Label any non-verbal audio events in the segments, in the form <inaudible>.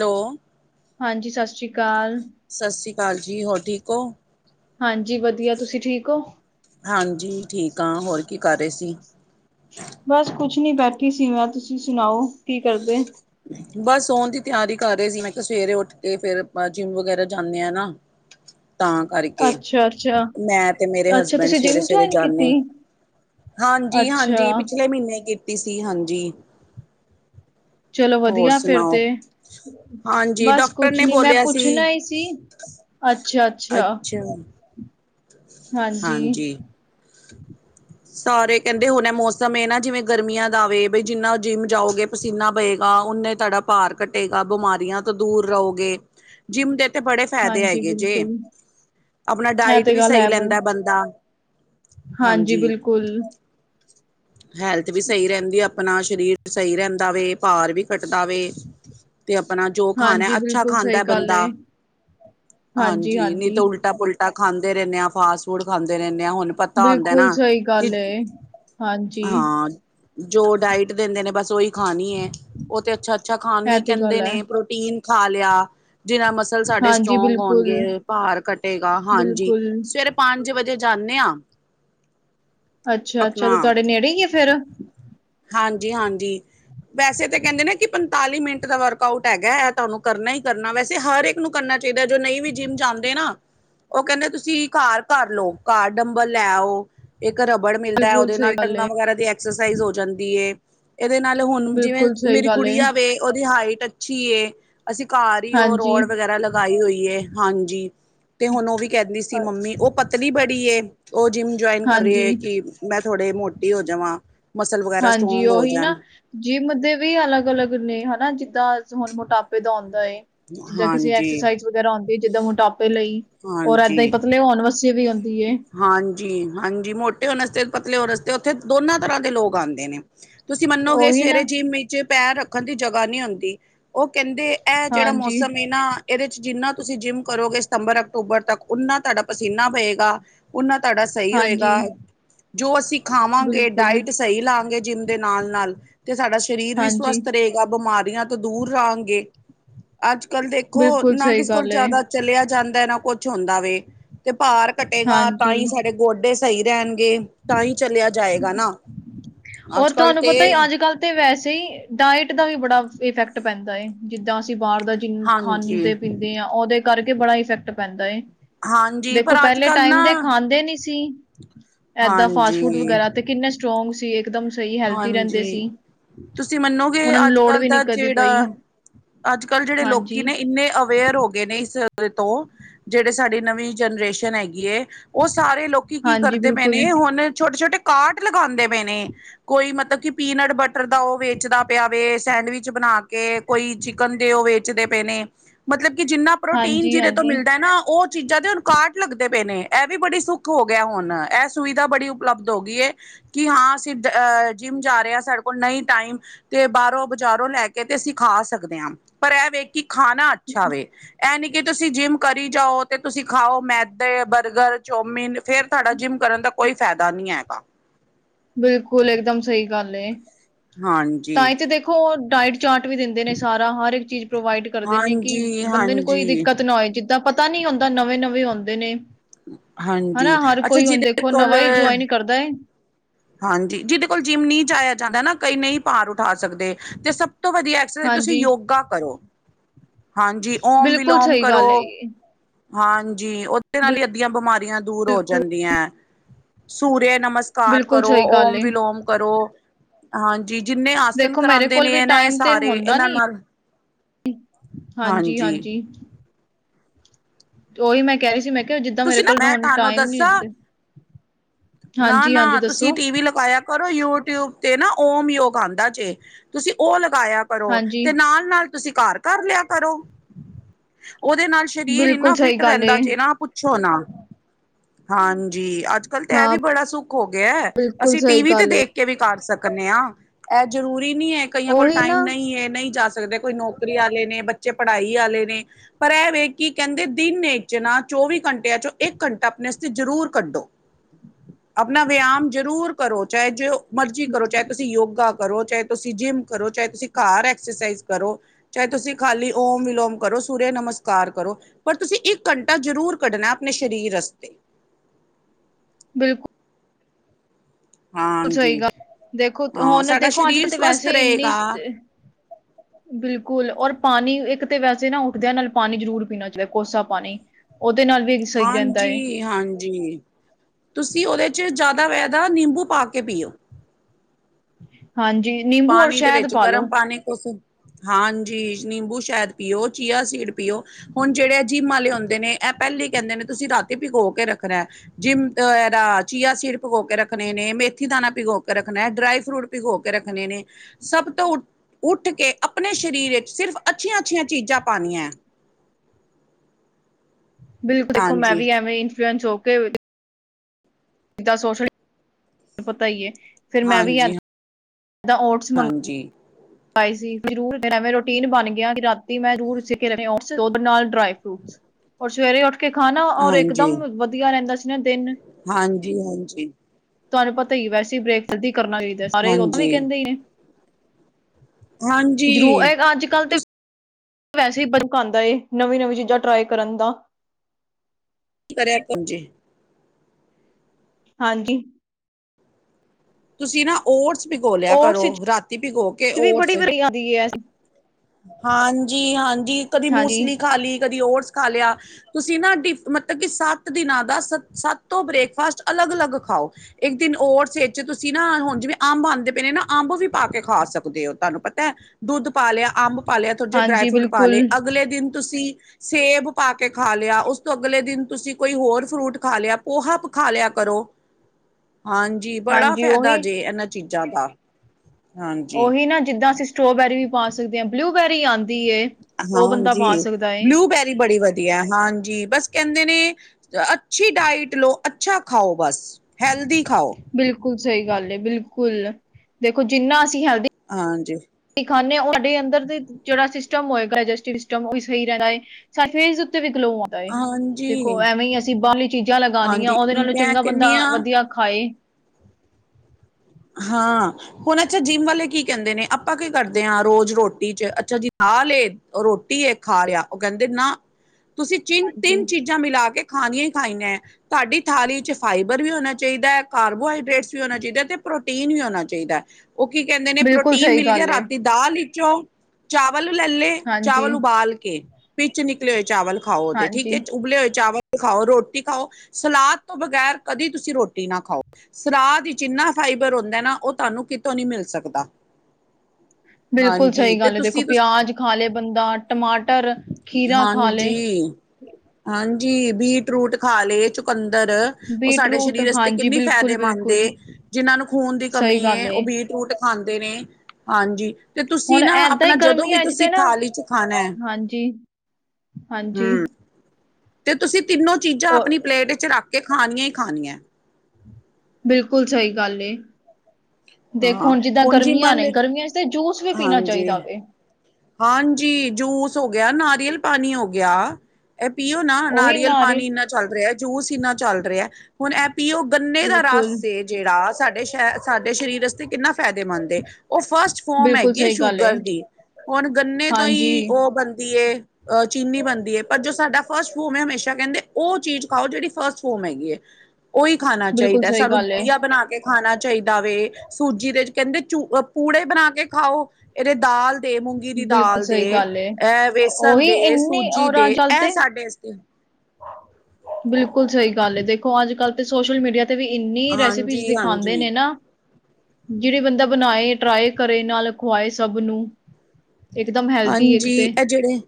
Hello ਹਾਂਜੀ ਸਤਿ ਸ੍ਰੀ ਅਕਾਲ। ਸਤਿ ਸ਼੍ਰੀ ਅਕਾਲ ਜੀ ਹੋਰ ਠੀਕ ਹੋ? ਹਾਂਜੀ ਵਧੀਆ ਤੁਸੀਂ ਠੀਕ ਹੋ? ਹਾਂਜੀ ਠੀਕ ਹਾਂ ਹੋਰ ਕੀ ਕਰ ਰਹੇ ਸੀ? ਬਸ ਕੁਛ ਨੀ ਬੈਠੀ ਸੀ ਮੈਂ ਤੁਸੀਂ ਸੁਣਾਓ ਕੀ ਕਰਦੇ? ਬਸ ਸੋਨ ਦੀ ਤਿਆਰੀ ਕਰ ਰਹੇ ਸੀ ਮੈਂ ਕਿਹਾ ਸਵੇਰੇ ਉੱਠ ਕੇ ਫਿਰ ਆਪਾਂ ਜਿੰਮ ਵਗੈਰਾ ਜਾਂਣੇ ਹਾਂ ਨਾ। <inaudible> ਤਾਂ ਕਰਕੇ ਅੱਛਾ ਅੱਛਾ ਮੈਂ ਤੇ ਮੇਰੇ ਅੱਛਾ ਹਸਬੈਂਡ ਤੁਸੀਂ ਜਿੰਮ ਸਵੇਰੇ-ਸਵੇਰੇ ਜੁਆਇਨ ਜਾਨੇ ਕੀਤੀ ਆ। ਅੱਛਾ ਹਾਂਜੀ-ਹਾਂਜੀ ਪਿਛਲੇ ਮਹੀਨੇ ਕੀਤੀ ਸੀ ਹਾਂਜੀ। ਚਲੋ ਹੋਰ ਵਧੀਆ ਫਿਰ ਸੁਣਾਓ ਤੇ ਹਾਂਜੀ ਬਸ ਡਾਕਟਰ ਕੁਛ ਨੇ ਨੀ ਮੈਂ ਬੋਲਿਆ ਸੀ ਪੁੱਛਣਾ ਹੀ ਸੀ। ਅੱਛਾ-ਅੱਛਾ ਅੱਛਾ ਹਾਂਜੀ। ਸਾਰੇ ਕਹਿੰਦੇ ਹੁਣ ਇ ਮੌਸਮ ਏ ਨਾ ਜਿਵੇਂ ਗਰਮੀਆਂ ਦਾ ਵੇ ਬਈ ਜਿੰਨਾ ਜਿੰਮ ਜਾਓਗੇ। ਪਸੀਨਾ ਬਏਗਾ ਓਨੇ ਤੜਾ ਭਾਰ ਕੱਟੇਗਾ ਬਿਮਾਰੀਆਂ ਤੋਂ ਦੂਰ ਰਹੋਗੇ। ਜਿੰਮ ਦੇ ਤੇ ਬੜੇ ਫਾਇਦੇ ਹਾਂਜੀ ਹੈਗੇ ਜੇ। ਬਿਲਕੁਲ ਆਪਣਾ ਇਹ ਡਾਇਟ ਤੇ ਵੀ ਗੱਲ ਸਹੀ ਹੈ ਵ ਲੈਂਦਾ ਬੰਦਾ। ਹਾਂਜੀ ਬਿਲਕੁਲ। ਹੈਲਥ ਵੀ ਸਹੀ ਰਹਿੰਦੀ ਆਪਣਾ ਸਰੀਰ ਸਹੀ ਰਹਿੰਦਾ ਵੇ, ਭਾਰ ਵੀ। ਕਟਦਾ ਵੇ ਤੇ ਆਪਣਾ ਜੋ ਖਾਣਾ ਹਾਂਜੀ ਅੱਛਾ ਬਿਲਕੁਲ ਸਹੀ ਖਾਂਦਾ ਗੱਲ ਬੰਦਾ। ਏ ਹਾਂਜੀ ਨਹੀਂ ਤੋ ਉਲਟਾ ਪੁਲਟਾ ਖਾਂਦੇ ਰਹਿੰਦੇ ਆ ਫਾਸਟ ਫੂਡ ਖਾਂਦੇ ਰਹਿੰਦੇ ਆ ਹੁਣ। ਪਤਾ ਹੁੰਦਾ ਬਿਲਕੁਲ ਨਾ ਸਹੀ ਕਿ ਗੱਲ ਏ ਹਾਂਜੀ ਇਹ ਹਾਂ ਜੋ ਡਾਇਟ ਦਿੰਦੇ ਨੇ ਬਸ ਉਹੀ ਖਾਣੀ ਏ। ਉਹ ਤੇ ਅੱਛਾ ਅੱਛਾ ਖਾਣ ਨੂੰ ਹੀ ਤੇ ਕਹਿੰਦੇ ਗੱਲ ਹੈ ਨੇ ਪ੍ਰੋਟੀਨ ਖਾ ਲਿਆ ਜਿਨਾ ਮਸ ਮਸਲ ਸਾਡੇ ਹਾਂਜੀ ਸਟਰੋਂਗ ਬਿਲਕੁਲ ਹੋਣਗੇ ਭਾਰ ਕੱਟੇਗਾ ਹਾਂਜੀ ਬਿਲਕੁਲ, ਸਵੇਰੇ ਪੰਜ ਵਜੇ ਜਾਂਣੇ ਹਾਂ। ਅੱਛਾ-ਅੱਛਾ ਤੇ ਤੁਹਾਡੇ ਨੇੜੇ ਹੀ ਆ ਫਿਰ? ਹਾਂਜੀ ਹਾਂਜੀ ਵੈਸੇ ਤਾਂ ਕਹਿੰਦੇ ਨੇ ਕਿ ਪੰਤਾਲੀ ਮਿੰਟ ਦਾ ਵਰਕ ਆਊਟ ਹੈਗਾ ਹੈ ਤੁਹਾਨੂੰ ਕਰਨਾ ਹੀ ਕਰਨਾ ਵੈਸੇ ਹਰ ਇੱਕ ਨੂੰ ਕਰਨਾ ਚਾਹੀਦਾ ਜੋ ਨਹੀਂ ਵੀ ਜਿੰਮ ਜਾਂਦੇ ਨਾ। ਉਹ ਕਹਿੰਦੇ ਤੁਸੀਂ ਘਰ ਕਰ ਲਓ ਘਰ ਡੰਬਰ ਲੈ ਆਓ। ਇੱਕ ਰਬੜ ਮਿਲਦਾ ਬਿਲਕੁਲ ਉਹਦੇ ਨਾਲ ਸਹੀ ਗੱਲ ਟੰਗਾਂ ਏ। ਵਗੈਰਾ ਦੀ ਐਕਸਰਸਾਈਜ਼ ਹੋ ਜਾਂਦੀ ਹੈ। ਇਹਦੇ ਨਾਲ ਹੁਣ ਜਿਵੇਂ ਬਿਲਕੁਲ ਸਹੀ ਮੇਰੀ ਗੱਲ ਏ, ਗੁੜੀ ਵੇ ਉਹਦੀ ਹਾਈਟ ਅੱਛੀ ਏ। ਅਸੀਂ ਘਰ ਹੀ ਉਹ ਹਾਂਜੀ, ਰੋਡ ਵਗੈਰਾ ਲਗਾਈ ਹੋਈ ਏ ਹਾਂਜੀ। ਤੇ ਹੁਣ ਉਹ ਵੀ ਕਹਿੰਦੀ ਸੀ ਅ ਮੰਮੀ ਉਹ ਪਤਲੀ ਬੜੀ ਏ ਉਹ ਜਿੰਮ ਜੁਆਇਨ ਕਰ ਰਹੀ ਏ ਹਾਂਜੀ, ਕਿ। ਮੈਂ ਥੋੜੇ ਮੋਟੀ ਹੋ ਜਾਵਾਂ ਮਸਲ ਵਗੈਰਾ ਜੀ ਸਟਰੋਂਗ ਹੋ ਓਹ ਹੀ ਜਾਣ ਨਾ। ਜਿੰਮ ਦੇ ਵੀ ਅਲੱਗ-ਅਲੱਗ ਨੇ ਹਨਾ ਜਿੱਦਾਂ ਹੁਣ ਮੋਟਾਪੇ ਦਾ ਹੁੰਦਾ ਏ। ਜਿੱਦਾਂ ਕਿਸੇ ਹਾਂਜੀ ਐਕਸਰਸਾਈਜ਼ ਵਗੈਰਾ ਆਉਂਦੀ ਹੈ ਜਿੱਦਾਂ ਮੋਟਾਪੇ ਲਈ ਔਰ ਏਦਾਂ ਹੀ ਹਾਂਜੀ ਪਤਲੇ ਹੋਣ ਵਾਸਤੇ ਸੀ ਵੀ ਆਉਂਦੀ ਏ ਹਾਂਜੀ ਹਾਂਜੀ ਮੋਟੇ ਹੋਣ ਵਾਸਤੇ ਤੇ ਪਤਲੇ ਹੋਣ ਵਾਸਤੇ ਉੱਥੇ ਦੋਨਾਂ ਤਰ੍ਹਾਂ ਦੇ ਲੋਗ ਆੰਦੇ ਨੇ ਤੁਸੀਂ ਮੰਨੋਗੇ ਉਹੀ ਸਵੇਰੇ ਨਾ ਜਿੰਮ ਵਿੱਚ ਪੈਰ ਰੱਖਣ ਦੀ ਜਗ੍ਹਾ ਨੀ ਹੁੰਦੀ ਉਹ ਕਹਿੰਦੇ ਇਹ ਜਿਹੜਾ ਹਾਂਜੀ, ਮੌਸਮ ਏ ਨਾ ਇਹਦੇ ਚ ਜਿੰਨਾ ਤੁਸੀਂ ਜਿੰਮ ਕਰੋਗੇ ਸਤੰਬਰ ਅਕਤੂਬਰ ਤੱਕ ਓਨਾ ਤੁਹਾਡਾ ਪਸੀਨਾ ਬਹੇਗਾ ਉਨਾਂ ਤੁਹਾਡਾ ਸਹੀ ਹਾਂਜੀ, ਰਏਗਾ ਜੋ ਅਸੀਂ ਖਾਵਾਂਗੇ ਬਿਲਕੁਲ, ਡਾਇਟ ਸਹੀ ਲਾਂਗੇ ਜਿੰਮ ਦੇ ਨਾਲ ਨਾਲ ਤੇ ਸਾਡਾ ਸਰੀਰ ਵੀ ਹਾਂਜੀ, ਸਵਸਥ ਰਹੇ। ਜਾਂ ਬਿਮਾਰੀਆਂ ਤੋਂ ਦੂਰ ਰਹਾਂਗੇ ਅੱਜ-ਕੱਲ ਦੇਖੋ ਬਿਲਕੁਲ ਨਾ ਸਹੀ ਕਿਸ ਕੋਲ ਗੱਲ ਏ, ਜ਼ਿਆਦਾ ਚਲਿਆ ਜਾਂਦਾ ਨਾ ਕੁਛ ਹੁੰਦਾ ਵੇ ਤੇ ਭਾਰ ਘਟੇਗਾ ਹਾਂਜੀ। ਜਿਹੜੇ ਗੋਡੇ ਸਹੀ ਰਹਿਣਗੇ ਤਾਂ ਹੀ ਚਲਿਆ ਜਾਏਗਾ ਨਾ ਅੱਜ ਹੋਰ ਕੱਲ ਤੁਹਾਨੂੰ ਤੇ ਪਤਾ ਹੀ ਅੱਜ ਕੱਲ੍ਹ ਤੇ ਵੈਸੇ ਹੀ ਡਾਇਟ ਦਾ ਵੀ ਬੜਾ ਇਫੈਕਟ ਪੈਂਦਾ ਏ ਜਿੱਦਾਂ ਅਸੀਂ ਬਾਹਰ ਦਾ ਕਿਨਾ ਹਾਂਜੀ ਖਾਂਦੇ ਪੀਂਦੇ ਆ ਉਹਦੇ ਕਰਕੇ ਬੜਾ ਇਫੈਕਟ ਪੈਂਦਾ ਏ ਹਾਂਜੀ ਦੇਖੋ ਪਰ ਅੱਜ ਪਹਿਲੇ ਕੱਲ ਨਾ ਟਾਈਮ ਦੇ ਖਾਂਦੇ ਨਹੀਂ ਸੀ ਏਦਾਂ ਫਾਸਟ ਫੂਡ ਹਾਂਜੀ ਵਗੈਰਾ ਤੇ ਕਿੰਨੇ ਸਟਰੋਂਗ ਸੀ ਇਕਦਮ ਸਹੀ ਹੈਲਦੀ ਰਹਿੰਦੇ ਹਾਂਜੀ, ਸੀ। ਤੁਸੀਂ ਮੰਨੋਗੇ ਉਹਨਾਂ ਨੂੰ ਅੱਜ ਲੋੜ ਕੱਲ ਵੀ ਨੀ ਦਾ ਕਦੀ ਪਈ ਜਿਹੜਾ ਅੱਜ ਕੱਲ੍ਹ ਜਿਹੜੇ ਲੋਕੀ ਹਾਂਜੀ, ਨੇ ਇੰਨੇ ਅਵੇਅਰ ਹੋ ਗਏ ਨੇ ਸਬ ਤੋਂ ਜੇਹੜੇ ਸਾਡੀ ਨਵੀਂ ਜੇਨਰੇਸ਼ਨ ਹੈਗੀ ਏ ਉਹ ਸਾਰੇ ਲੋਕੀ ਕੀ ਹਾਂਜੀ ਕਰਦੇ ਪਏ ਬਿਲਕੁਲ, ਨੇ ਹੁਣ ਛੋਟੇ ਛੋਟੇ ਕਾਰਟ ਲਗਾਉਂਦੇ ਪਏ ਨੇ ਕੋਈ ਮਤਲਬ ਕਿ ਪੀਨਟ ਬਟਰ ਦਾ ਉਹ ਵੇਚਦਾ ਪਿਆ ਵੇ ਸੈਂਡਵਿਚ ਬਣਾ ਕੇ ਕੋਈ ਚਿਕਨ ਦੇ ਉਹ ਵੇਚਦੇ ਪਏ ਨੇ ਮਤਲਬ ਕਿ ਜਿੰਨਾ ਪ੍ਰੋਟੀਨ ਜਿਹਦੇ ਤੋਂ ਹਾਂਜੀ-ਹਾਂਜੀ, ਮਿਲਦਾ ਨਾ ਉਹ ਚੀਜ਼ਾਂ ਦੇੁ ਹੁਣ ਕਾਰਟ ਲੱਗਦੇ ਪਏ ਨੇ ਇਹ ਵੀ ਬੜੀ ਸੁੱਖ ਹੋ ਗਿਆ ਹੁਣ ਇਹ ਸੁਵਿਧਾ ਬੜੀ ਉਪਲਬਧ ਹੋ ਗਈ ਏ ਕਿ ਹਾਂ ਅਸੀਂ ਅ ਜਿੰਮ ਜਾ ਰਹੇ ਹਾਂ ਸਾਡੇ ਕੋਲ ਨਹੀਂ ਟਾਈਮ। ਤੇ ਬਾਹਰੋਂ ਬਜ਼ਾਰੋਂ ਲੈ ਕੇ ਤੇ ਅਸੀ ਖਾ ਸਕਦੇ ਹਾਂ। ਪਰ ਇਹ ਵਖ ਕਿ ਖਾਣਾ ਅੱਛਾ ਵੇ ਏਹ ਨੀ ਕਿ ਤੁਸੀਂ ਜਿੰਮ ਕਰੀ ਜਾਓ ਤੇ ਤੁਸੀਂ ਖਾਓ ਮੈਦੇ, ਬਰਗਰ, ਚੌਮਿਨ। ਫੇਰ ਤੁਹਾਡਾ ਜਿੰਮ ਕਰਨ ਦਾ ਕੋਈ ਫਾਇਦਾ ਨੀ ਹੈਗਾ ਬਿਲਕੁਲ ਇਕਦਮ ਸਹੀ ਗਲ ਏ। ਹਾਂਜੀ ਤਾਹੀ ਤਾ ਦੇਖੋ ਡਾਈਟ ਚਾਰਟ ਵੀ ਦਿੰਦੇ ਨੇ ਸਾਰਾ ਹਰ ਇੱਕ ਚੀਜ਼ ਪ੍ਰੋਵਾਈਡ ਕਰਦੇ ਨੇ। ਕਿ ਹਾਂਜੀ ਬੰਦੇ ਨੂੰ ਕੋਈ ਹਾਂਜੀ ਦਿੱਕਤ ਨਾ ਆਏ। ਜਿੱ ਦਾ ਪਤਾ ਨੀ ਹੁੰਦਾ ਨਵੇਂ-ਨਵੇਂ ਹੁੰਦੇ ਨੇ। ਹਾਂਜੀ ਹਨਾ ਹਰ ਅੱਛਾ ਕੋਈ ਹੁਣ ਜਿਹਦੇ ਦੇਖੋ ਕੋਲ ਨਵਾਂ ਹੀ ਜੋਇਨ ਕਰਦਾ ਏ ਹਾਂਜੀ ਜਿਹਦੇ ਕੋਲ ਜਿੰਮ ਨਹੀਂ ਜਾਇਆ ਜਾਂਦਾ ਨਾ ਕਈ ਨਹੀਂ ਭਾਰ ਉਠਾ ਸਕਦੇ ਤੇ ਸਭ ਤੋਂ ਵਧੀਆ ਐਕਸਰਸਾਈਜ਼ ਤੁਸੀਂ ਹਾਂਜੀ ਯੋਗਾ ਕਰੋ ਹਾਂਜੀ ਓਮ ਬਿਲਕੁਲ ਵਿਲੋਮ ਸਹੀ ਕਰੋ ਗੱਲ ਏ ਹਾਂਜੀ ਉਹਦੇ ਨਾਲ ਹੀ ਅੱਧੀਆਂ ਬਿਮਾਰੀਆਂ ਦੂਰ ਹੋ ਬਿਲਕੁਲ ਜਾਂਦੀਆਂ ਸੂਰਯ ਨਮਸ ਬਿਲਕੁਲ ਸਹੀ ਗੱਲ ਏ। ਕੰਮ ਕਰੋ। ਹਾਂਜੀ, ਜਿੰਨੇ ਆਸਨ ਦੇਖੋ ਮੇਰੇ ਕਰਾਦੇ ਕੋਲ ਨੇ ਵੀ ਇਹਨਾਂ ਸਾਰੇ ਇਹਨਾਂ ਨਾਲ ਹਾਂਜੀ- ਹਾਂਜੀ! ਉਹੀ ਮੈਂ ਕਹਿ ਰਹੀ ਸੀ ਮੈਂ ਕਿਹਾ ਜਿੱਦਾਂ ਮੇਰੇ ਤੁਸੀਂ ਨਾ, ਕੋਲ ਮੈਂ ਹੁਣ ਤੁਹਾਨੂੰ ਟਾਈਮ ਨੀ ਦੱਸਾਂ ਹੁੰਦੇ ਨਾ ਨਾ ਹਾਂਜੀ-ਹਾਂਜੀ ਤੁਸੀਂ ਦੱਸੋ ਟੀ ਵੀ ਲਗਾਇਆ। ਕਰੋ ਯੂਟਿਊਬ ਤੇ ਨਾ ਓਮ ਯੋਗ ਆਦਾ ਜੇ ਤੁਸੀਂ ਉਹ ਲਗਾਇਆ ਕਰੋ। ਕਰੋ ਹਾਂਜੀ ਤੇ ਨਾਲ ਨਾਲ ਤੁਸੀਂ ਘਰ ਕਰ ਲਿਆ ਕਰੋ। ਉਹਦੇ ਨਾਲ ਸਰੀਰ ਬਿਲਕੁਲ ਇਨਾ ਸਹੀ ਫਿਟ ਗੱਲ ਰਹਿੰਦਾ ਏ ਜੇ ਨਾ ਪੁੱਛੋ ਨਾ। ਹਾਂਜੀ, ਅੱਜ-ਕੱਲ ਤਾਂ ਇਹ ਹਾਂ ਵੀ ਬੜਾ ਸੁੱਖ ਹੋ ਗਿਆ ਬਿਲਕੁਲ ਅਸੀਂ ਟੀ ਸਹੀ ਵੀ ਤੇ ਗੱਲ ਏ ਦੇਖ ਕੇ ਵੀ ਕਰ ਸਕਦੇ ਹਾਂ ਇਹ ਜ਼ਰੂਰੀ ਨੀ ਏ ਕਈਆਂ ਕੋਲ ਉਹੀ ਨਾ ਟਾਈਮ ਨਈ ਐ ਨਹੀਂ ਜਾ ਸਕਦੇ ਕੋਈ ਨੌਕਰੀ ਨੌਕਰੀ ਆਲੇ ਨੇ ਬੱਚੇ ਪੜ੍ਹਾਈ ਆਲੇ ਨੇ ਪਰ ਇਹ ਵੇਖ ਕਿ ਕਹਿੰਦੇ ਦਿਨ ਵਿੱਚ ਨਾ ਚੌਵੀ ਚ ਇੱਕ ਕੰਟਾ ਅਪਨੇ ਜ਼ਰੂਰ ਕੱਢੋ ਅਪਨਾ ਵਿਆਮ ਜ਼ਰੂਰ ਕਰੋ ਚਾਹੇ ਮਰਜ਼ੀ ਕਰੋ ਚਾਏ ਬਿਲਕੁਲ ਤੁਸੀਂ ਯੋਗਾ ਕਰੋ ਚਾਏ ਤੁਸੀਂ ਜਿੰਮ ਕਰੋ ਚਾਏ ਤੁਸੀਂ ਘਰ ਐਕਸਰਸਾਈਜ਼ ਕਰੋ ਚਾਏ ਤੁਸੀਂ ਖਾਲੀ ਓਮ ਵਿਲੋਮ ਕਰੋ ਸੂਰਯ ਨਮਸਕਾਰ ਕਰੋ ਪਰ ਤੁਸੀਂ ਇੱਕ ਘੰਟਾ ਜ਼ਰੂਰ ਕੱਢਨਾ ਅਪਨੇ ਸਰੀਰ ਅਸਤੇ ਬਿਲਕੁਲ ਸਹੀ ਹਾਂਜੀ ਗੱਲ ਦੇਖੋ ਹਾਂ ਹੁਣ ਸਾਡਾ ਦੇਖੋ ਅੱਜ ਕੱਲ ਸਰੀਰ ਤੇ ਸਵਸਥ ਵੈਸੇ ਇੰਨੀ ਰਏਗਾ ਬਿਲਕੁਲ ਔਰ ਪਾਣੀ ਇੱਕ ਤਾਂ ਵੈਸੇ ਨਾ ਉੱਠਦਿਆਂ ਨਾਲ ਪਾਣੀ ਜ਼ਰੂਰ ਪੀਣਾ ਚਾਹੀਦਾ ਕੋਸਾ ਪਾਣੀ ਉਹਦੇ ਨਾਲ ਵੀ ਸਹੀ ਰਹਿੰਦਾ ਏ ਹਾਂਜੀ, ਹਾਂਜੀ ਤੁਸੀਂ ਓਦੇ 'ਚ ਜ਼ਿਆਦਾ ਵੈਦਾ ਨਿੰਬੂ ਪਾ ਕੇ ਪੀਓ ਹਾਂਜੀ ਨਿੰਬੂ ਔਰ ਪਾਣੀ ਦੇ ਸ਼ਹਿਦ ਵਿੱਚ ਪਾ ਗਰਮ ਲੋ ਪਾਣੀ ਕੁਛ ਹਾਂਜੀ ਨਿੰਬੂ ਸ਼ਾਇਦ ਪੀਓ ਚੀਆ ਸੀਡ ਪੀਓ ਹੁਣ ਜਿਹੜੇ ਅੇ ਜਿੰਮ ਵਾਲੇ ਹੁੰਦੇ ਨੇ ਅੇ ਪਹਿਲੇ ਕਹਿੰਦੇ ਨੇ ਤੁਸੀਂ ਰਾਤੀ ਭਿਗੋ ਕੇ ਰੱਖਣਾ ਜਿੰਮ ਇਹਦਾ ਚੀਆ ਸੀਡ ਭਿਗੋ ਕੇ ਰੱਖਣੇ ਨੇ ਮੇਥੀ ਦਾਣਾ ਭਿਗੋ ਕੇ ਰੱਖਣਾ ਡਰਾਈ ਫਰੂਟ ਭਿਗੋ ਕੇ ਰੱਖਣਾ ਨੇ ਸਭ ਤੋਂ ਉੱਠ ਕੇ ਆਪਣੇ ਸਰੀਰ ਵਿੱਚ ਸਿਰਫ ਅੱਛੀਆਂ ਅੱਛੀਆਂ ਚੀਜ਼ਾਂ ਪਾਣੀਏ ਬਿਲਕੁਲ ਦੇਖੋ ਮੈਂ ਹਾਂਜੀ ਵੀ ਐਵੇਂ ਇਨਫਲੂਐਂਸ ਹੋ ਕੇ ਸੋਸ਼ਲ ਪਤਾ ਹੀ ਏ ਫਿਰ ਮੈਂ ਵੀ ਹਾਂਜੀ ਹਾਂਜੀ ਪਾਈ ਸੀ ਜਰੂਰ ਐਵੇਂ ਰੋਟੀਨ ਬਣ ਗਿਆ ਰਾਤੀ ਮੈਂ ਜ਼ਰੂਰ ਦੁੱਧ ਨਾਲ ਡਰਾਈ ਫਰੂਟਸ ਰ ਸਵੇਰੇ ਉੱਠ ਕੇ ਖਾਣਾ ਔਰ ਹਾਂਜੀ, ਇਕਦਮ ਵਧੀਆ ਰਹਿੰਦਾ ਸੀ ਨਾ ਦਿਨ ਹਾਂਜੀ ਹਾਂਜੀ ਤੁਹਾਨੂੰ ਪਤਾ ਹੀ ਵੈਸੇ ਹੀ ਬ੍ਰੇਕ ਸਿੱਧ ਹੀ ਕਰਨਾ ਚਾਹੀਦਾ ਸਾਰੇ ਉਦੋਂ ਵੀ ਹਾਂਜੀ, ਕਹਿੰਦੇ ਹੀ ਨੇ ਜ਼ਰੂਰ ਹਾਂਜੀ। ਇਹ ਅੱਜ ਕੱਲ੍ਹ ਤੇ ਵੈਸੇ ਹੀ ਬਣਕ ਆਉਂਦਾ ਨਵੀਂ ਨਵੀਂ ਚੀਜ਼ਾਂ ਟਰਾਈ ਕਰਨ ਦਾ <unintelligible> ਕੀ ਕਰਿਆ ਕਰ ਜੇ ਹਾਂਜੀ ਤੁਸੀਂ ਨਾ ਓਟਸ ਭਿਗੋ ਲਿਆ ਕਰੋ ਓਟਸ ਵਿੱਚ ਰਾਤੀ ਭਿਗੋ ਕੇ ਵੀ ਓਟਸ <inaudible> ਹਾਂਜੀ, ਹਾਂਜੀ ਕਦੀ ਹਾਂਜੀ ਮੂਸਲੀ ਖਾ ਲੀ ਕਦੀ ਓਟਸ ਖਾ ਲਿਆ ਤੁਸੀਂ ਨਾ ਡਿ ਮਤਲਬ ਕਿ ਸੱਤ ਦਿਨਾਂ ਦਾ ਸ ਸੱਤ ਤੋਂ ਬ੍ਰੇਕਫਾਸਟ ਅਲੱਗ ਅਲੱਗ ਖਾਓ ਇੱਕ ਦਿਨ ਓਟਸ ਚ ਤੁਸੀਂ ਨਾ ਹੁਣ ਜਿਵੇਂ ਅੰਬ ਆਉਂਦੇ ਪਏ ਨੇ ਨਾ ਅੰਬ ਵੀ ਪਾ ਕੇ ਖਾ ਸਕਦੇ ਹੋ ਤੁਹਾਨੂੰ ਪਤਾ ਦੁੱਧ ਪਾ ਲਿਆ ਅੰਬ ਪਾ ਲਿਆ ਦੁਜੇ ਡਰਾਈ ਹਾਂਜੀ ਫਰੂਟ ਪਾ ਬਿਲਕੁਲ ਲੇ ਅਗਲੇ ਦਿਨ ਤੁਸੀਂ ਸੇਬ ਪਾ ਕੇ ਖਾ ਲਿਆ ਉਸ ਤੋਂ ਅਗਲੇ ਦਿਨ ਤੁਸੀਂ ਕੋਈ ਹੋਰ ਫਰੂਟ ਖਾ ਲਿਆ ਪੋਹਾ ਖਾ ਲਿਆ ਕਰੋ ਹਾਂਜੀ ਬੜਾ ਹਾਂਜੀ ਫਾਇਦਾ ਉਹੀ ਜੇ ਇਨਾਂ ਚੀਜ਼ਾਂ ਦਾ ਹਾਂਜੀ ਉਹੀ ਨਾ ਜਿੱਦਾਂ ਅਸੀਂ ਸਟ੍ਰੋਬੈਰੀ ਵੀ ਪਾ ਸਕਦੇ ਹਾਂ ਬਲੂਬੈਰੀ ਆਂਦੀ ਏ ਉਹ ਬੰਦਾ ਪਾ ਹਾਂਜੀ ਸਕਦਾ ਏ ਬਲੂਬੇਰੀ ਬੜੀ ਵਧੀਆ ਹਾਂਜੀ ਬਸ ਕਹਿੰਦਾ ਨੇ ਅੱਛੀ ਡਾਇਟ ਲੋ ਅੱਛਾ ਖਾਓ ਬਸ ਹੈਲਦੀ ਖਾਓ ਬਿਲਕੁਲ ਸਈ ਗੱਲ ਏ ਬਿਲਕੁਲ ਦੇਖੋ ਜਿੰਨਾ ਅਸੀਂ ਹੈਲਦੀ ਹਾਂਜੀ ਖਾਂਦੇ ਅੰਦਰ ਜਿਹੜਾ ਸਿਸਟਮ ਹੋਏਗਾ ਡਾਈਜੈਸਟਿਵ ਸਿਸਟਮ ਸਹੀ ਰਹਦਾ ਹੈ ਸਾ ਫੇਸ ਉੱਤੇ ਵੀ ਗਲੋ ਆ ਦੇਖੋ ਹਾਂਜੀ ਐਵੇਂ ਈ ਅਸੀਂ ਬਾਰਲੀ ਚੀਜ਼ਾਂ ਲਗਾਨੀਆਂ ਹਾਂਜੀ ਉਦੇ ਨਾਲੋਂ ਮੈਂ ਚੰਗਾ ਬੰਦਾ ਕਹਿੰਦੀ ਹਾਂ ਵਧੀਆ ਖਾਏ ਹਾਂ ਹੁਣ ਅੱਛਾ ਜਿੰਮ ਵਾਲੇ ਕੀ ਕਹਿੰਦੇ ਨੇ ਆਪਾਂ ਕੀ ਕਰਦੇ ਆ ਰੋਜ਼ ਰੋਟੀ ਚ ਅੱਚਾ ਜੀ ਆ ਲਏ ਰੋਟੀ ਇਕ ਖਾ ਰਿਹਾ ਉ ਕਹਿੰਦੇ ਨਾ ਤੁਸੀਂ ਚਿੰਨ ਹਾਂਜੀ ਤਿੰਨ ਚੀਜ਼ਾਂ ਮਿਲਾ ਕੇ ਖਾਣੀਆਂ ਹੀ ਖਾਈਆਂ ਤਾ <unintelligible> ਡੀ ਥਾਲੀ ਚ ਫਾਈਬਰ ਵੀ ਹੋਣਾ ਚਾਹੀਦਾ ਹੈ ਕਾਰਬੋ ਹਾਈਦਰੇਟਸ ਹੋਣਾ ਚਾਹੀਦਾ ਤੇ ਪ੍ਰੋਟੀਨ ਵੀ ਹੋਣਾ ਚਾਹੀਦਾ ਉਹ ਕੀ ਕਹਿੰਦੇ ਨੇ ਬਿਲਕੁਲ ਪ੍ਰੋਟੀਨ ਸਹੀ ਮਿਲ ਗਿਆ ਗੱਲ ਏ ਰਾਤੀ। ਦਾਲ ਵਿੱਚੋਂ ਚਾਵਲ ਲੈ ਲੇ ਹਾਂਜੀ ਚਾਵਲ ਉਬਾਲ ਕੇ ਪਿਚ ਨਿਕਲੇ ਹੋਏ ਚਾਵਲ ਖਾਓ ਓਦੇ ਠੀਕ ਹਾਂਜੀ। ਐ ਉਬਲੇ ਹੋਏ ਚਾਵਲ ਖਾਓ ਰੋਟੀ ਖਾਓ ਸਲਾਦ ਤੋਂ ਬਗ਼ੈਰ ਕਦੀ ਤੁਸੀਂ ਰੋਟੀ ਨਾ ਖਾਓ ਸਲਾਦ ਵਿੱਚ ਇੰਨਾਂ ਫਾਈਬਰ ਹੁੰਦਾ ਨਾ ਉਹ ਤੁਹਾਨੂੰ ਕਿਤੋਂ ਨੀ ਮਿਲ ਸਕਦਾ। ਬਿਲਕੁਲ ਹਾਂਜੀ ਸਹੀ ਤੇ ਗੱਲ ਐ ਦੇਖੋ ਤੁਸੀਂ ਪਿਆਜ ਖਾ ਲਏ ਬੰਦਾ ਟਮਾਟਰ ਖੀਰਾ ਖਾ ਲਏ ਹਾਂਜੀ ਹਾਂਜੀ ਬੀਟ ਰੂਟ ਖਾ ਲਏ ਚੁਕੰਦਰ ਉਹ ਸਾਡੇ ਬੀਟਰੂਟ ਸਰੀਰ ਵਾਸਤੇ ਹਾਂਜੀ ਕਿੰਨੀ ਬਿਲਕੁਲ ਫਾਇਦੇਮੰਦ ਏ ਬਿਲਕੁਲ। ਜਿਹਨਾਂ ਨੂੰ ਖ਼ੂਨ ਦੀ ਕਮੀ ਸਹੀ ਗੱਲ ਐ ਏ ਉਹ ਬੀਟ ਰੂਟ ਖਾਂਦੇ ਨੇ ਹਾਂਜੀ। ਤੇ ਤੁਸੀਂ ਹੁਣ ਨਾ ਏਦਾਂ ਹੀ ਆਪਣਾ ਜਦੋਂ ਵੀ ਗਰਮੀਆਂ ਚ ਤੁਸੀਂ ਤੇ ਨਾ ਥਾਲੀ ਚ ਖਾਣਾ ਹੈ। ਹਾਂਜੀ ਹਾਂਜੀ। ਹਮ ਤੇ ਤੁਸੀਂ ਤਿੰਨੋ ਚੀਜ਼ਾਂ ਉਹ ਆਪਣੀ ਪਲੇਟ ਚ ਰੱਖ ਕੇ ਖਾਣੀਆਂ ਈ ਖਾਣੀਆਂ। ਬਿਲਕੁਲ ਸਹੀ ਗੱਲ ਏ ਦੇਖੋ ਹਾਂ ਹੁਣ ਜਿੱਦਾਂ ਜੀ ਗਰਮੀਆਂ ਮੰਨ ਨੇ ਲ ਗਰਮੀਆਂ ਤੇ ਜੂਸ ਵੀ ਪੀਣਾ ਚਾਹੀਦਾ ਹਾਂਜੀ ਵੈ ਹਾਂਜੀ, ਜੂਸ ਹੋ ਗਿਆ ਨਾਰੀਅਲ ਪਾਣੀ ਹੋ ਗਿਆ। ਇਹ ਪੀਓ ਨਾ ਨਾਰੀਅਲ ਪਾਣੀ ਇੰਨਾ ਚੱਲ ਰਿਹਾ ਜੂਸ ਇੰਨਾ ਚੱਲ ਰਿਹਾ ਹੁਣ ਇਹ ਪੀਵੋ ਗੰਨੇ ਦਾ ਬਿਲਕੁਲ ਰਸ ਏ ਜਿਹੜਾ ਸਾਡੇ ਸਰੀਰ ਵਾਸਤੇ ਕਿੰਨਾ ਫਾਇਦੇਮੰਦ ਏ ਉਹ ਫਸਟ ਫੋਮ ਬਿਲਕੁਲ ਹੈਗੀ ਐ ਸਹੀ ਗੱਲ ਏ ਸ਼ੂਗਰ ਦੀ ਹੁਣ ਗੰਨੇ ਤੋਂ ਹਾਂਜੀ ਹੀ ਉਹ ਬਣਦੀ ਏ ਅਹ ਚੀਨੀ ਬਣਦੀ ਐ ਪਰ ਜੋ ਸਾਡਾ ਫਸਟ ਫੋਮ ਐ ਹਮੇਸ਼ਾ ਕਹਿੰਦੇ ਉਹ ਚੀਜ਼ ਖਾਓ ਜਿਹੜੀ ਫਸਟ ਫੋਮ ਹੈਗੀ ਐ। ਉਹੀ ਖਾਣਾ ਬਿਲਕੁਲ ਚਾਹੀਦਾ ਸਹੀ ਸਾਨੂੰ ਗੱਲ ਏ ਦਲੀਆ ਬਣਾ ਕੇ ਖਾਣਾ ਚਾਹੀਦਾ ਵੈ ਸੂਜੀ ਦੇ ਕਹਿੰਦੇ ਚੂ ਪੂੜੇ ਬਣਾ ਕੇ ਖਾਓ ਇਹਦੇ ਦਾਲ ਦੇ ਮੂੰਗੀ ਦੀ ਬਿਲਕੁਲ ਦਾਲ ਸਹੀ ਦੇ ਗੱਲ ਏ ਇਹ ਵੇਸਣ ਉਹੀ ਦੇ ਇੰਨੀ ਸੂਜੀ ਔਰ ਦੇ ਅੱਜ ਕੱਲ ਇਹ ਤੇ ਸਾਡੇ ਵਾਸਤੇ ਬਿਲਕੁਲ ਸਹੀ ਗੱਲ ਦੇਖੋ ਅੱਜ ਕੱਲ ਤੇ ਸੋਸ਼ਲ ਮੀਡੀਆ ਤੇ ਵੀ ਇੰਨੀ ਰੈਸਿਪੀ ਹਾਂਜੀ ਦਿਖਾਂਦੇ ਹਾਂਜੀ ਨੇ ਨਾ ਜਿਹੜੇ ਬੰਦਾ ਬਣਾਏ ਟਰਾਈ ਕਰੇ ਨਾਲ ਖਵਾਏ ਸਭ ਨੂੰ ਇਕਦਮ ਹੈਲਦੀ ਇੱਕ ਹਾਂਜੀ ਤੇ ਐ ਜਿਹੜੇ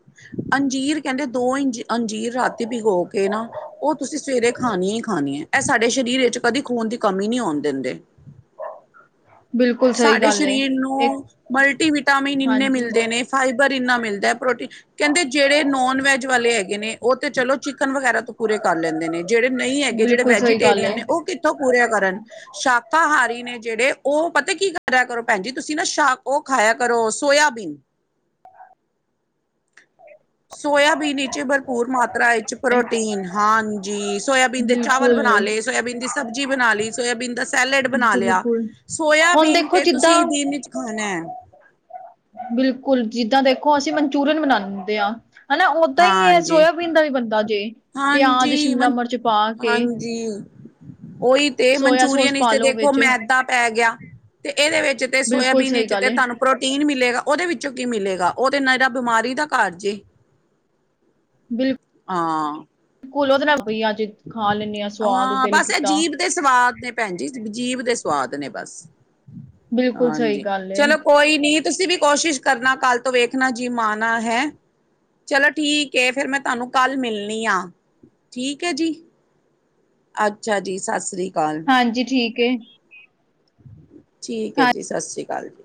ਅੰਜੀਰ ਕਹਿੰਦੇ ਦੋ ਅੰ ਅੰਜੀਰ ਰਾਤੀ ਭਿਗੋ ਕੇ ਨਾ ਉਹ ਤੁਸੀਂ ਸਵੇਰੇ ਖਾਣੀ ਈ ਖਾਣੀ ਐ ਇਹ ਸਾਡੇ ਸਰੀਰ ਵਿੱਚ ਕਦੇ ਖੂਨ ਦੀ ਕਮੀ ਨਹੀਂ ਆਉਣ ਦਿੰਦੇ। ਬਿਲਕੁਲ ਸਹੀ ਸਾਡੇ ਗੱਲ ਏ ਸਰੀਰ ਇੱਕ ਨੂੰ ਮਲਟੀਵਿਟਾਮਿਨ ਇੰਨੇ ਹਾਂਜੀ ਮਿਲਦੇ ਨੇ ਫਾਈਬਰ ਇੰਨਾ ਮਿਲਦਾ ਪ੍ਰੋਟੀਨ ਕਹਿੰਦੇ ਜਿਹੜੇ ਨੋਨ ਵੈਜ ਵਾਲੇ ਹੈਗੇ ਨੇ ਉਹ ਤੇ ਚਲੋ ਚਿਕਨ ਵਗੈਰਾ ਤੋਂ ਪੂਰੇ ਕਰ ਲੈਂਦੇ ਨੇ ਜਿਹੜੇ ਨਹੀਂ ਹੈਗੇ ਜਿਹੜੇ ਬਿਲਕੁਲ ਸਹੀ ਗੱਲ ਵੈਜੀਟੇਰੀਅਨ ਏ ਨੇ ਉਹ ਤੋਂ ਪੂਰੀ ਕਰਨ ਸ਼ਾਕਾਹਾਰੀ ਨੇ ਜਿਹੜੇ ਉਹ ਪਤਾ ਕੀ ਕਰਿਆ ਕਰੋ ਭੈਣ ਜੀ ਤੁਸੀਂ ਨਾ ਸ਼ ਉਹ ਖਾਇਆ ਕਰੋ ਸੋਇਆਬੀਨ ਸੋਇਆਬੀਨ ਵਿੱਚ ਭਰਪੂਰ ਮਾਤਰਾ ਵਿੱਚ ਪ੍ਰੋਟੀਨ ਹਾਂਜੀ, ਸੋਇਆਬੀਨ ਦੇ ਚਾਵਲ ਬਿਲਕੁਲ ਬਣਾ ਲਏ ਸੋਆਬੀਨ ਦੀ ਸਬਜ਼ੀ ਬਣਾ ਲਈ। ਸੋਇਆਬੀਨ ਦਾ ਸੈਲਡ ਬਣਾ ਲਿਆ ਬਿਲਕੁਲ ਹੁਣ ਸੋਇਆਬੀਨ ਦੇਖੋ ਤੇ ਜਿੱਦਾਂ ਤੁਸੀਂ ਦਿਨ ਵਿੱਚ ਖਾਣਾ ਬਿਲਕੁਲ ਜਿੱਦਾਂ ਦੇਖੋ ਅਸੀਂ ਮਨਚੂਰੀਅਨ ਬਣਾਂਦੇ ਆ ਹਨਾ ਓਦਾਂ ਹੀ ਇਹ ਹਾਂਜੀ, ਸੋਇਆ ਪੀਦਾ ਵੀ ਬਣਦਾ ਜੇ ਪਿਆਜ ਹਾਂਜੀ, ਸ਼ਿਮਲਾ ਮਿਰਚ ਪਾ ਕੇ ਹਾਂਜੀ ਉਹੀ ਤੇ ਸੋਇਆ ਮਨਚੂਰੀਅਨ ਸੋਸ ਵਿੱਚ ਪਾ ਤੇ ਲੋ ਦੇਖੋ ਮੈਦਾ ਪੈ ਗਿਆ ਤੇ ਇਹਦੇ ਵਿੱਚ ਤੇ ਬਿਲਕੁਲ ਸੋਇਆਬੀਨ ਸਹੀ ਵਿੱਚ ਗੱਲ ਤੇ ਏ ਤੁਹਾਨੂੰ ਪ੍ਰੋਟੀਨ ਮਿਲੇਗਾ ਉਹਦੇ ਵਿੱਚੋਂ ਕੀ ਮਿਲੇਗਾ ਉਹ ਤੇ ਨੀਰਾ ਬਿਮਾਰੀ ਦਾ ਘਰ ਜੇ <unintelligible> ਬਿਲ ਹਾਂ। ਘੁਲੋਦੇ ਨਾਲ ਬਈਆ ਅਜੇ ਖਾ ਲੈਣੇ ਆ ਸਵਾਦ ਹਾਂ ਦਿਲ ਬਸ ਇਹ ਕੀਤਾ। ਜੀਭ ਦੇ ਸਵਾਦ ਨੇ ਭੈਣ ਜੀ ਜੀਭ ਦੇ ਸਵਾਦ ਨੇ ਬਸ ਬਿਲਕੁਲ ਸਹੀ ਹਾਂਜੀ ਗੱਲ ਏ ਚਲੋ ਕੋਈ ਨੀ ਤੁਸੀਂ ਵੀ ਕੋਸ਼ਿਸ਼ ਕਰਨਾ ਕੱਲ੍ਹ ਤੋਂ ਵੇਖਣਾ ਜਿੰਮ ਆਣਾ ਹੈ। ਚਲੋ ਠੀਕ ਐ ਫੇਰ ਮੈਂ ਤੁਹਾਨੂੰ ਕੱਲ ਮਿਲਣੀ ਹਾਂ ਠੀਕ ਹੈ ਜੀ। ਅੱਛਾ ਜੀ, ਸਸ ਰੀ ਕਾਲ। ਹਾਂਜੀ, ਠੀਕ ਏ। ਠੀਕ ਐ ਹਾਂ ਜੀ, ਸਸ ਰੀ ਕਾਲ ਜੀ।